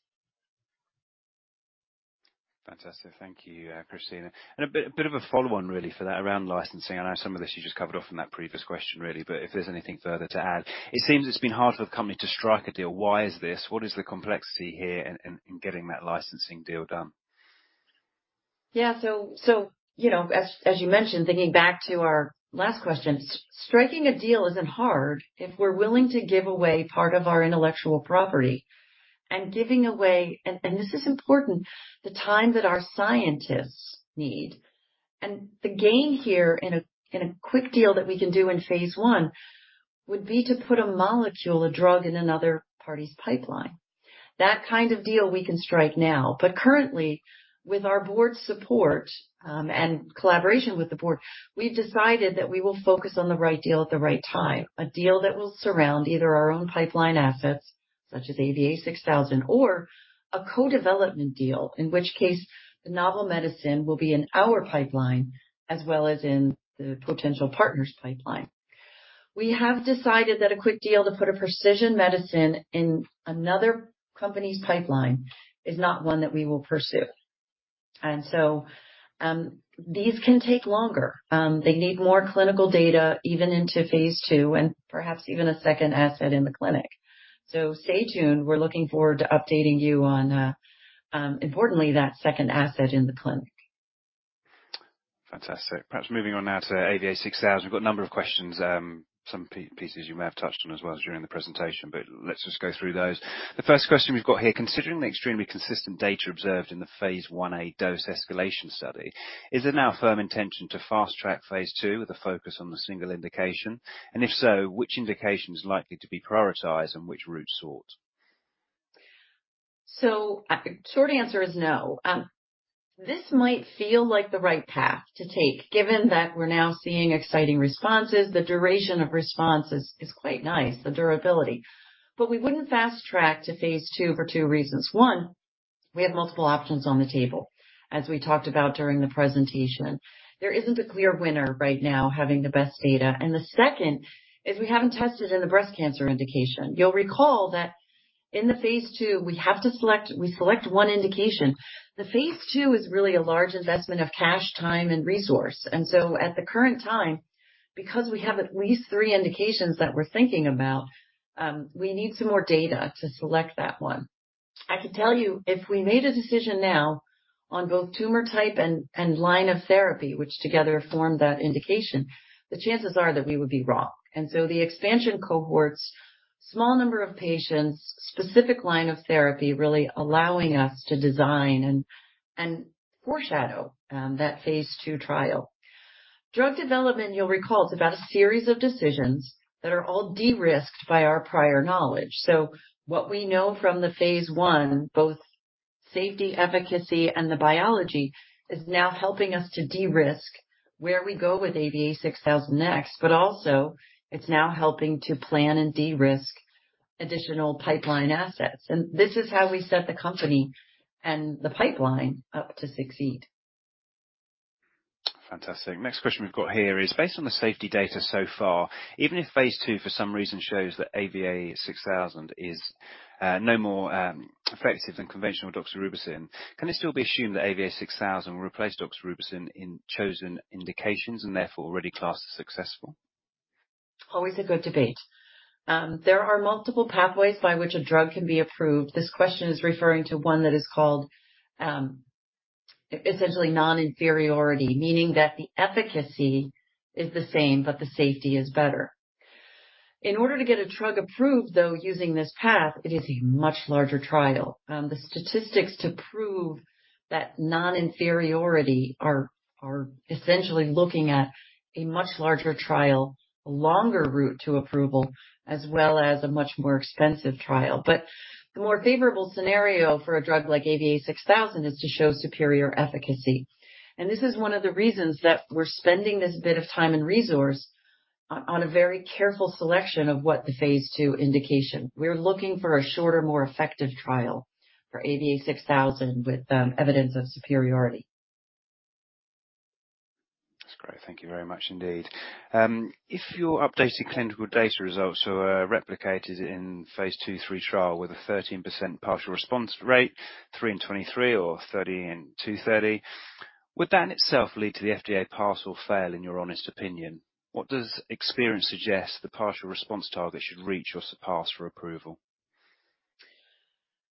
Fantastic. Thank you, Christina. And a bit of a follow-on, really, for that around licensing. I know some of this you just covered off in that previous question, really, but if there's anything further to add. It seems it's been hard for the company to strike a deal. Why is this? What is the complexity here in getting that licensing deal done? Yeah. So you know, as you mentioned, thinking back to our last question, striking a deal isn't hard if we're willing to give away part of our intellectual property. And giving away, and this is important, the time that our scientists need. And the gain here in a quick deal that we can do in phase I, would be to put a molecule, a drug, in another party's pipeline. That kind of deal we can strike now. But currently, with our board's support, and collaboration with the board, we've decided that we will focus on the right deal at the right time. A deal that will surround either our own pipeline assets, such as AVA6000, or a co-development deal, in which case the novel medicine will be in our pipeline, as well as in the potential partner's pipeline. We have decided that a quick deal to put a preCISION medicine in another company's pipeline is not one that we will pursue. And so, these can take longer. They need more clinical data, even into phase II, and perhaps even a second asset in the clinic. So stay tuned, we're looking forward to updating you on, importantly, that second asset in the clinic. Fantastic. Perhaps moving on now to AVA6000. We've got a number of questions, some pieces you may have touched on as well during the presentation, but let's just go through those. The first question we've got here: Considering the extremely consistent data observed in the phase IA dose escalation study, is there now firm intention to fast-track phase II with a focus on the single indication? And if so, which indication is likely to be prioritized and which route sought? So short answer is no. This might feel like the right path to take, given that we're now seeing exciting responses, the duration of response is quite nice, the durability. But we wouldn't fast-track to phase II for two reasons. One, we have multiple options on the table, as we talked about during the presentation. There isn't a clear winner right now, having the best data. And the second is we haven't tested in the breast cancer indication. You'll recall that in the phase II, we have to select one indication. The phase II is really a large investment of cash, time, and resource, and so at the current time, because we have at least three indications that we're thinking about, we need some more data to select that one. I can tell you, if we made a decision now on both tumor type and, and line of therapy, which together form that indication, the chances are that we would be wrong. The expansion cohorts, small number of patients, specific line of therapy, really allowing us to design and, and foreshadow that phase II trial. Drug development, you'll recall, is about a series of decisions that are all de-risked by our prior knowledge. What we know from the phase I, both safety, efficacy, and the biology is now helping us to de-risk where we go with AVA-6000 next, but also it's now helping to plan and de-risk additional pipeline assets. This is how we set the company and the pipeline up to succeed. Fantastic. Next question we've got here is, based on the safety data so far, even if phase II, for some reason, shows that AVA-6000 is no more effective than conventional doxorubicin, can it still be assumed that AVA-6000 will replace doxorubicin in chosen indications and therefore already classed as successful? Always a good debate. There are multiple pathways by which a drug can be approved. This question is referring to one that is called, essentially non-inferiority, meaning that the efficacy is the same, but the safety is better. In order to get a drug approved, though, using this path, it is a much larger trial. The statistics to prove that non-inferiority are essentially looking at a much larger trial, a longer route to approval, as well as a much more expensive trial. But the more favorable scenario for a drug like AVA-6000 is to show superior efficacy. And this is one of the reasons that we're spending this bit of time and resource on, a very careful selection of what the phase 2 indication. We're looking for a shorter, more effective trial for AVA-6000 with, evidence of superiority. That's great. Thank you very much indeed. If your updated clinical data results were replicated in phase II/III trial with a 13% partial response rate, three and 23 or 30 and 2:30, would that in itself lead to the FDA pass or fail, in your honest opinion? What does experience suggest the partial response target should reach or surpass for approval?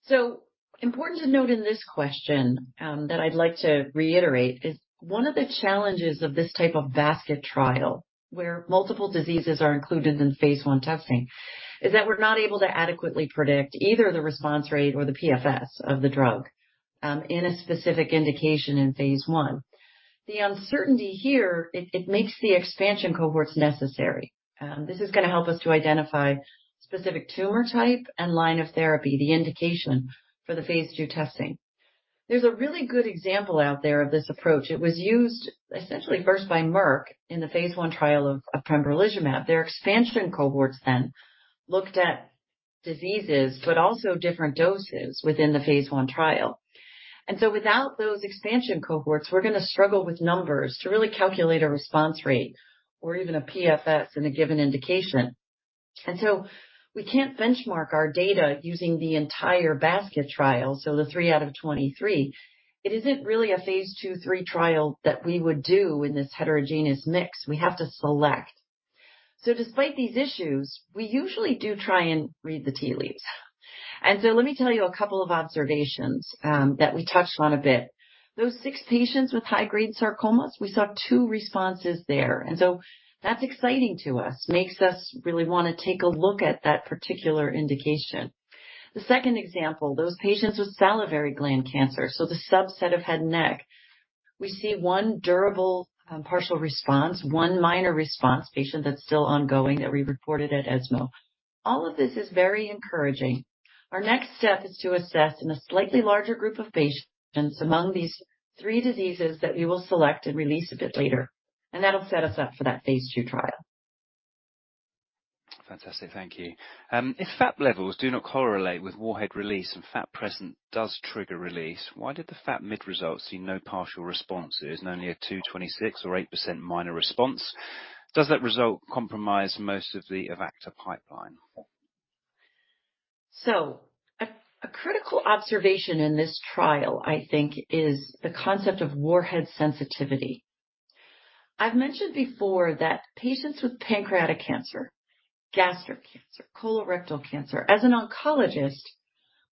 So important to note in this question, that I'd like to reiterate, is one of the challenges of this type of basket trial, where multiple diseases are included in phase I testing, is that we're not able to adequately predict either the response rate or the PFS of the drug, in a specific indication in phase I. The uncertainty here, it makes the expansion cohorts necessary. This is gonna help us to identify specific tumor type and line of therapy, the indication for the phase II testing. There's a really good example out there of this approach. It was used essentially first by Merck in the phase I trial of pembrolizumab. Their expansion cohorts then looked at diseases, but also different doses within the phase I trial. And so without those expansion cohorts, we're gonna struggle with numbers to really calculate a response rate or even a PFS in a given indication. And so we can't benchmark our data using the entire basket trial, so the three out of twenty-three. It isn't really a phase II/III trial that we would do in this heterogeneous mix. We have to select. So despite these issues, we usually do try and read the tea leaves. And so let me tell you a couple of observations, that we touched on a bit. Those six patients with high-grade sarcomas, we saw two responses there, and so that's exciting to us. Makes us really wanna take a look at that particular indication. The second example, those patients with salivary gland cancer, so the subset of head and neck. We see one durable, partial response, one minor response patient that's still ongoing, that we reported at ESMO. All of this is very encouraging. Our next step is to assess, in a slightly larger group of patients, among these three diseases that we will select and release a bit later, and that'll set us up for that phase II trial. Fantastic. Thank you. If FAP levels do not correlate with warhead release and FAP presence does trigger release, why did the FAP mid-results see no partial responses and only a two 26 or 8% minor response? Does that result compromise most of the Avacta pipeline? A critical observation in this trial, I think, is the concept of warhead sensitivity. I've mentioned before that patients with pancreatic cancer, gastric cancer, colorectal cancer, as an oncologist,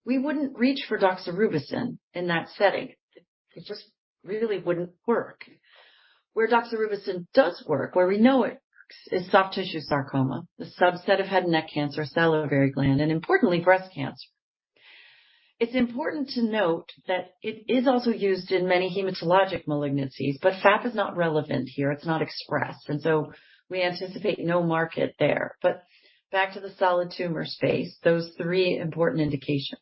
we wouldn't reach for doxorubicin in that setting. It just really wouldn't work. Where doxorubicin does work, where we know it works, is soft tissue sarcoma, the subset of head and neck cancer, salivary gland, and importantly, breast cancer. It's important to note that it is also used in many hematologic malignancies, but FAP is not relevant here. It's not expressed, and so we anticipate no market there. Back to the solid tumor space, those three important indications.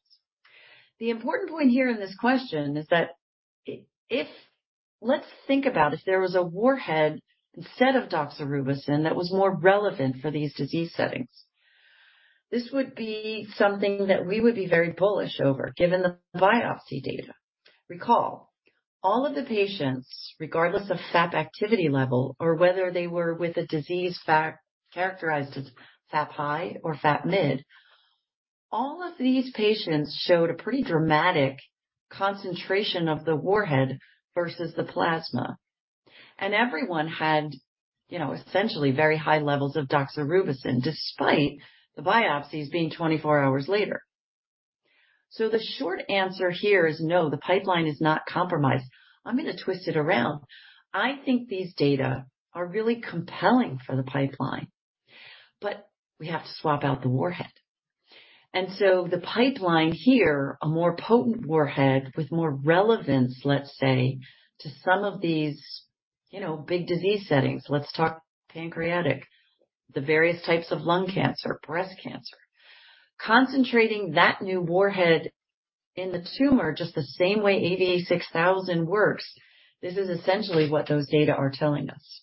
The important point here in this question is that if... Let's think about if there was a warhead instead of doxorubicin that was more relevant for these disease settings. This would be something that we would be very bullish over, given the biopsy data. Recall, all of the patients, regardless of FAP activity level or whether they were with a disease FAP characterized as FAP high or FAP mid, all of these patients showed a pretty dramatic concentration of the warhead versus the plasma, and everyone had, you know, essentially very high levels of doxorubicin, despite the biopsies being 24 hours later, so the short answer here is no, the pipeline is not compromised. I'm gonna twist it around. I think these data are really compelling for the pipeline, but we have to swap out the warhead, and so the pipeline here, a more potent warhead with more relevance, let's say, to some of these, you know, big disease settings. Let's talk pancreatic, the various types of lung cancer, breast cancer. Concentrating that new warhead in the tumor just the same way AVA-6000 works, this is essentially what those data are telling us.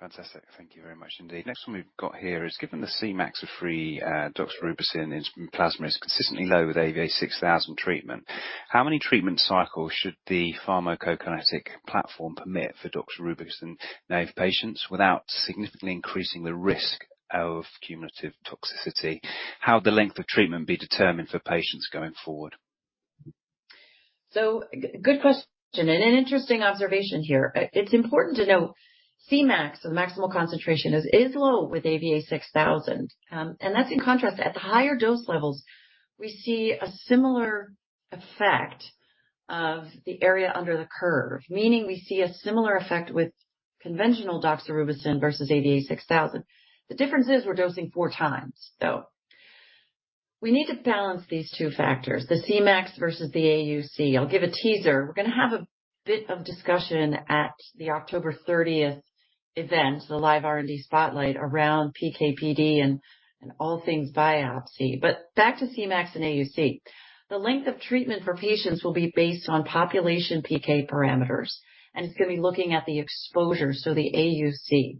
Fantastic. Thank you very much, indeed. Next one we've got here is: Given the Cmax of free doxorubicin in plasma is consistently low with AVA-6000 treatment, how many treatment cycles should the pharmacokinetic platform permit for doxorubicin naive patients without significantly increasing the risk of cumulative toxicity? How would the length of treatment be determined for patients going forward? Good question, and an interesting observation here. It's important to note Cmax, the maximal concentration, is low with AVA-6000, and that's in contrast, at the higher dose levels, we see a similar effect of the area under the curve, meaning we see a similar effect with conventional doxorubicin versus AVA-6000. The difference is we're dosing four times, though. We need to balance these two factors, the Cmax versus the AUC. I'll give a teaser. We're gonna have a bit of discussion at the October thirtieth event, the live R&D spotlight around PK/PD and all things biopsy, but back to Cmax and AUC. The length of treatment for patients will be based on population PK parameters, and it's gonna be looking at the exposure, so the AUC.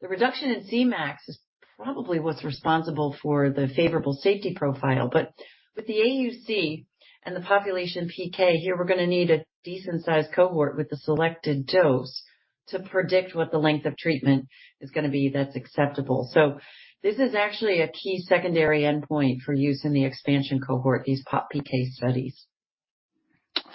The reduction in Cmax is probably what's responsible for the favorable safety profile, but with the AUC and the population PK, here, we're gonna need a decent-sized cohort with a selected dose to predict what the length of treatment is gonna be that's acceptable. So this is actually a key secondary endpoint for use in the expansion cohort, these Pop PK studies.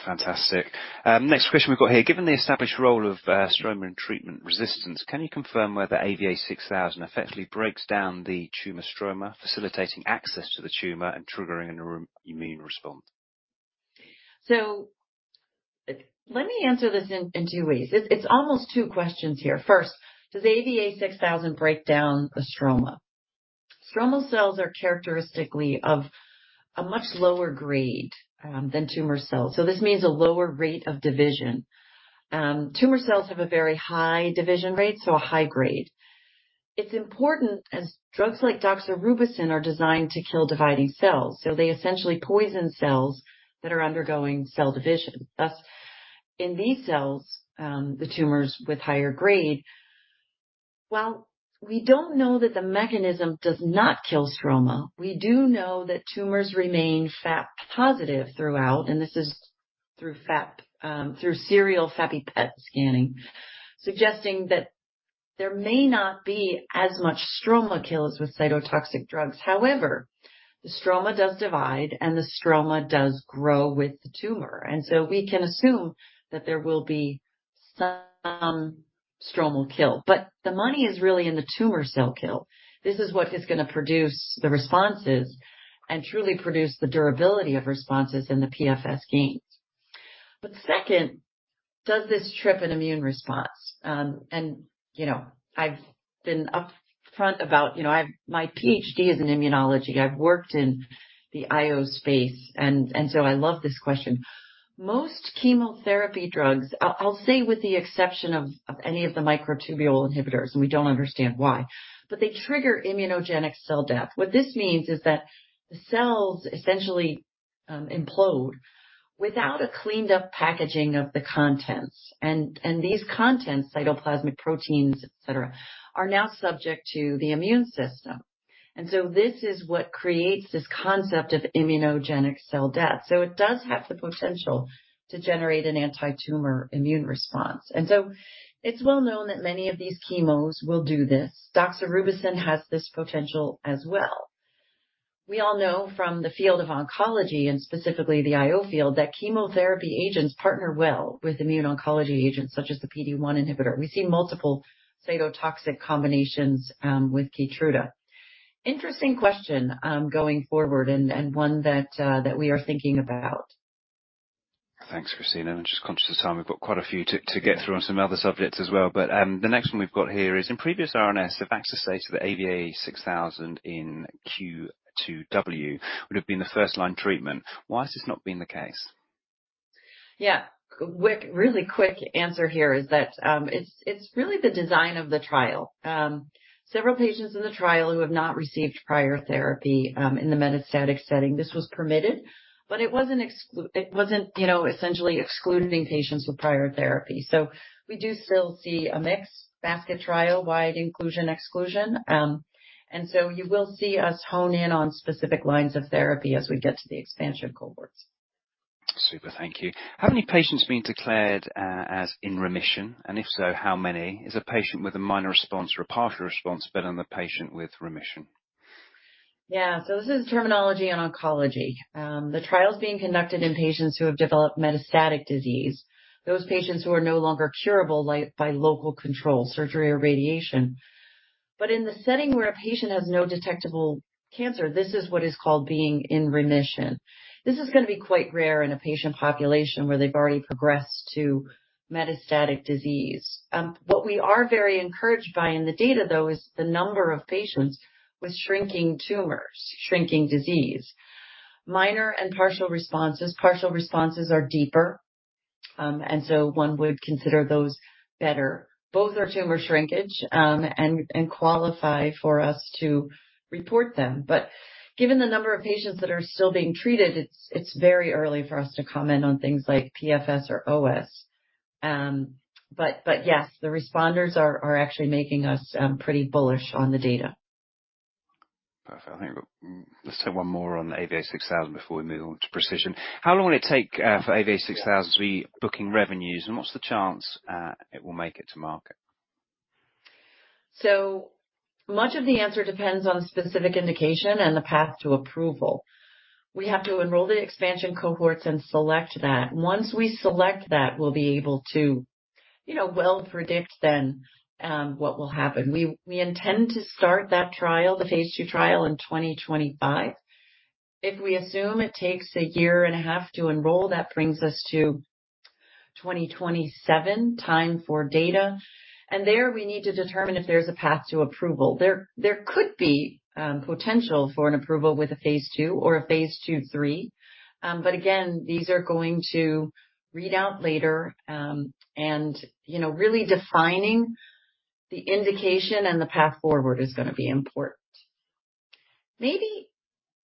Fantastic. Next question we've got here: Given the established role of stroma in treatment resistance, can you confirm whether AVA-6000 effectively breaks down the tumor stroma, facilitating access to the tumor and triggering an immune response? So let me answer this in two ways. It's almost two questions here. First, does AVA-6000 break down the stroma? Stroma cells are characteristically of a much lower grade than tumor cells, so this means a lower rate of division. Tumor cells have a very high division rate, so a high grade. It's important as drugs like doxorubicin are designed to kill dividing cells, so they essentially poison cells that are undergoing cell division. Thus, in these cells, the tumors with higher grade... While we don't know that the mechanism does not kill stroma, we do know that tumors remain FAP-positive throughout, and this is through FAP through serial FAPI PET scanning, suggesting that there may not be as much stroma kill as with cytotoxic drugs. However, the stroma does divide, and the stroma does grow with the tumor. And so we can assume that there will be some stromal kill. But the money is really in the tumor cell kill. This is what is gonna produce the responses and truly produce the durability of responses in the PFS gains. But second, does this trigger an immune response? You know, I've been upfront about, you know, my PhD is in immunology. I've worked in the IO space, and so I love this question. Most chemotherapy drugs, I'll say with the exception of any of the microtubule inhibitors, and we don't understand why, but they trigger immunogenic cell death. What this means is that the cells essentially implode without a cleaned-up packaging of the contents. And these contents, cytoplasmic proteins, et cetera, are now subject to the immune system. And so this is what creates this concept of immunogenic cell death. So it does have the potential to generate an anti-tumor immune response. And so it's well known that many of these chemos will do this. Doxorubicin has this potential as well. We all know from the field of oncology, and specifically the IO field, that chemotherapy agents partner well with immune oncology agents, such as the PD-1 inhibitor. We see multiple cytotoxic combinations with Keytruda. Interesting question going forward and one that we are thinking about. Thanks, Christina. I'm just conscious of time. We've got quite a few to get through on some other subjects as well. But, the next one we've got here is: In previous RNS, Avacta states that AVA-6000 in Q2W would have been the first-line treatment. Why has this not been the case? Yeah. Quick, really quick answer here is that it's really the design of the trial. Several patients in the trial who have not received prior therapy in the metastatic setting, this was permitted, but it wasn't, you know, essentially excluding patients with prior therapy. So we do still see a mix, basket trial, wide inclusion, exclusion. And so you will see us hone in on specific lines of therapy as we get to the expansion cohorts. Super. Thank you. How many patients have been declared as in remission, and if so, how many? Is a patient with a minor response or a partial response better than a patient with remission? Yeah. So this is terminology in oncology. The trial is being conducted in patients who have developed metastatic disease, those patients who are no longer curable by local control, surgery, or radiation. But in the setting where a patient has no detectable cancer, this is what is called being in remission. This is gonna be quite rare in a patient population where they've already progressed to metastatic disease. What we are very encouraged by in the data, though, is the number of patients with shrinking tumors, shrinking disease. Minor and partial responses. Partial responses are deeper, and so one would consider those better. Both are tumor shrinkage, and qualify for us to report them. But given the number of patients that are still being treated, it's very early for us to comment on things like PFS or OS. But yes, the responders are actually making us pretty bullish on the data. Perfect. I think let's have one more on AVA-6000 before we move on to preCISION. How long will it take for AVA-6000 to be booking revenues, and what's the chance it will make it to market? So much of the answer depends on specific indication and the path to approval. We have to enroll the expansion cohorts and select that. Once we select that, we'll be able to, you know, well predict then, what will happen. We intend to start that trial, the phase II trial in 2025. If we assume it takes a year and a half to enroll, that brings us to 2027, time for data. And there, we need to determine if there's a path to approval. There could be potential for an approval with a phase II or a phase II-three. But again, these are going to read out later, and, you know, really defining the indication and the path forward is gonna be important. Maybe,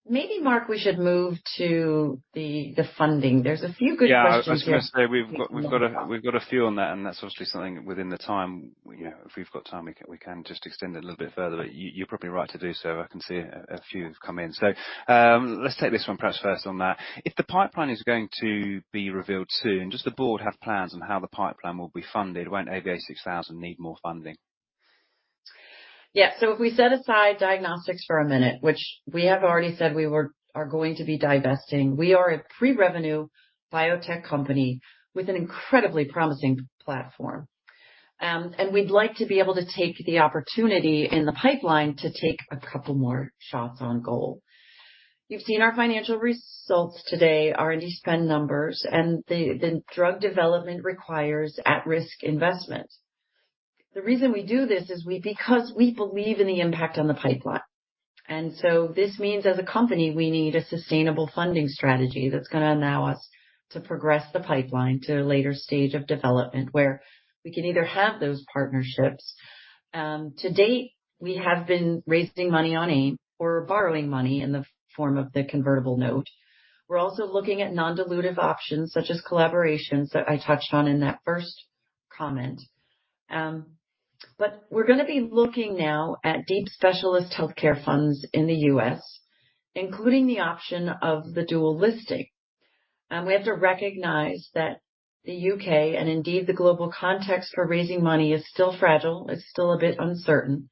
maybe, Mark, we should move to the, the funding. There's a few good questions here- Yeah, I was just gonna say, we've got a few on that, and that's obviously something within the time. You know, if we've got time, we can just extend it a little bit further. But you're probably right to do so. I can see a few have come in. So, let's take this one perhaps first on that. If the pipeline is going to be revealed soon, does the board have plans on how the pipeline will be funded? Won't AVA-6000 need more funding? Yeah. So if we set aside diagnostics for a minute, which we have already said we are going to be divesting, we are a pre-revenue biotech company with an incredibly promising platform. And we'd like to be able to take the opportunity in the pipeline to take a couple more shots on goal. You've seen our financial results today, R&D spend numbers, and the drug development requires at-risk investment. The reason we do this is because we believe in the impact on the pipeline. And so this means, as a company, we need a sustainable funding strategy that's gonna allow us to progress the pipeline to a later stage of development, where we can either have those partnerships. To date, we have been raising money on AIM or borrowing money in the form of the convertible note. We're also looking at non-dilutive options, such as collaborations, that I touched on in that first comment. But we're gonna be looking now at deep specialist healthcare funds in the U.S., including the option of the dual listing. We have to recognize that the U.K., and indeed the global context for raising money, is still fragile. It's still a bit uncertain.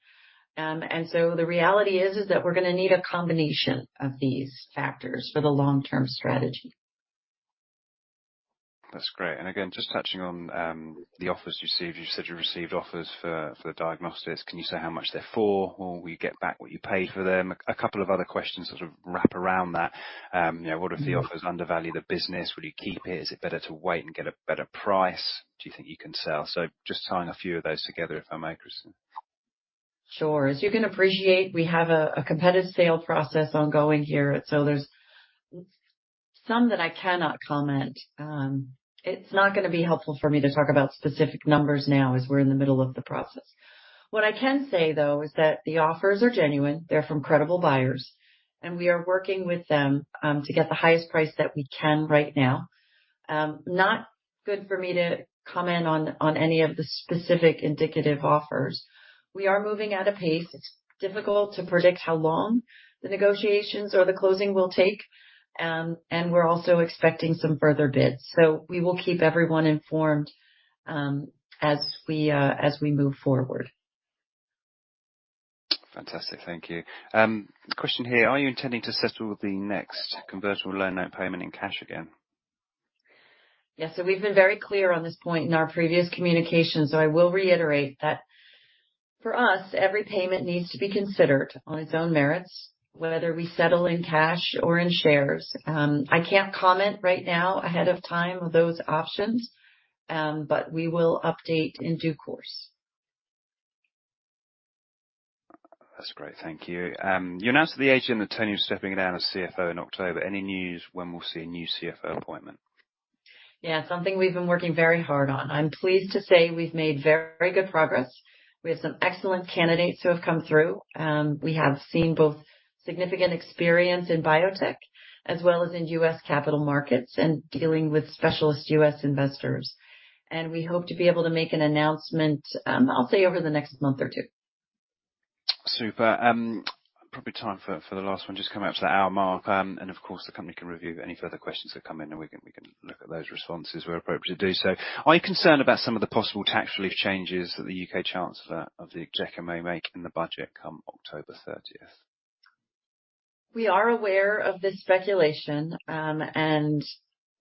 And so the reality is that we're gonna need a combination of these factors for the long-term strategy. That's great, and again, just touching on the offers you received. You said you received offers for the diagnostics. Can you say how much they're for? Or will you get back what you paid for them? A couple of other questions sort of wrap around that. You know, would the offers undervalue the business? Would you keep it? Is it better to wait and get a better price? Do you think you can sell, so just tying a few of those together, if I may, Christina. Sure. As you can appreciate, we have a competitive sale process ongoing here, so there's some that I cannot comment. It's not gonna be helpful for me to talk about specific numbers now, as we're in the middle of the process. What I can say, though, is that the offers are genuine, they're from credible buyers, and we are working with them to get the highest price that we can right now. Not good for me to comment on any of the specific indicative offers. We are moving at a pace. It's difficult to predict how long the negotiations or the closing will take, and we're also expecting some further bids, so we will keep everyone informed as we move forward. Fantastic. Thank you. Question here: Are you intending to settle the next convertible loan note payment in cash again? Yes. So we've been very clear on this point in our previous communication, so I will reiterate that for us, every payment needs to be considered on its own merits, whether we settle in cash or in shares. I can't comment right now ahead of time, those options, but we will update in due course. That's great. Thank you. You announced the AGM that Tony was stepping down as CFO in October. Any news when we'll see a new CFO appointment? Yeah, something we've been working very hard on. I'm pleased to say we've made very good progress. We have some excellent candidates who have come through. We have seen both significant experience in biotech as well as in U.S. capital markets and dealing with specialist U.S. investors, and we hope to be able to make an announcement, I'll say, over the next month or two. Super. Probably time for the last one. Just coming up to the hour mark. And of course, the company can review any further questions that come in, and we can look at those responses where appropriate to do so. Are you concerned about some of the possible tax relief changes that the U.K. Chancellor of the Exchequer may make in the budget come October 30th? We are aware of this speculation, and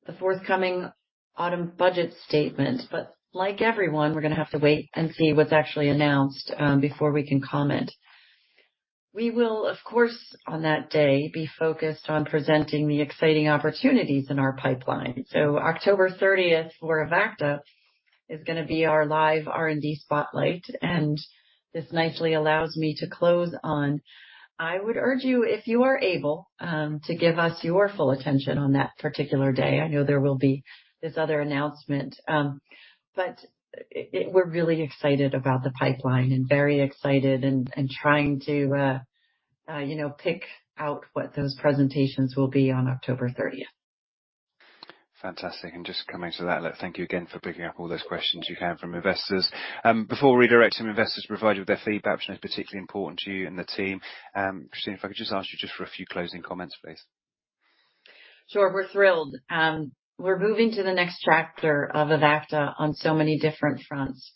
the forthcoming autumn budget statement, but like everyone, we're gonna have to wait and see what's actually announced, before we can comment. We will, of course, on that day, be focused on presenting the exciting opportunities in our pipeline. So October 30th, for Avacta, is going to be our live R&D spotlight, and this nicely allows me to close on. I would urge you, if you are able, to give us your full attention on that particular day. I know there will be this other announcement, but we're really excited about the pipeline and very excited and, and trying to, you know, pick out what those presentations will be on October thirtieth. Fantastic. And just coming to that, thank you again for picking up all those questions you had from investors. Before we redirect some investors to provide you with their feedback, which is particularly important to you and the team, Christina, if I could just ask you just for a few closing comments, please. Sure. We're thrilled. We're moving to the next chapter of Avacta on so many different fronts.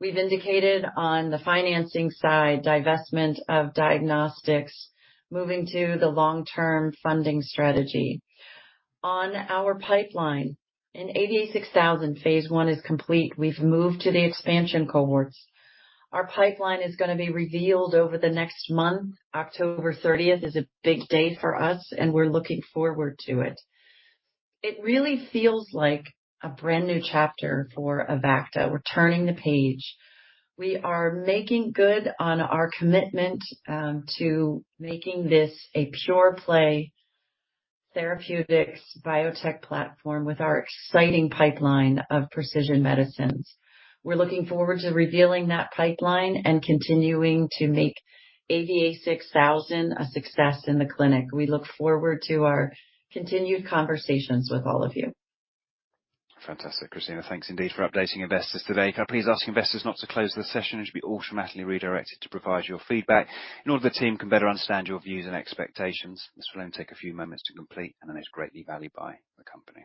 We've indicated on the financing side, divestment of diagnostics, moving to the long-term funding strategy. On our pipeline, in AVA6000, phase I is complete. We've moved to the expansion cohorts. Our pipeline is going to be revealed over the next month. October thirtieth is a big day for us, and we're looking forward to it. It really feels like a brand-new chapter for Avacta. We're turning the page. We are making good on our commitment to making this a pure play therapeutics biotech platform with our exciting pipeline of preCISION medicines. We're looking forward to revealing that pipeline and continuing to make AVA6000 a success in the clinic. We look forward to our continued conversations with all of you. Fantastic, Christina. Thanks indeed for updating investors today. Can I please ask investors not to close the session? It should be automatically redirected to provide your feedback in order that the team can better understand your views and expectations. This will only take a few moments to complete and it is greatly valued by the company.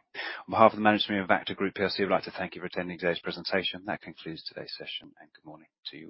On behalf of the management of Avacta Group PLC, we'd like to thank you for attending today's presentation. That concludes today's session, and good morning to you.